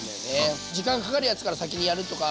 時間かかるやつから先にやるとか。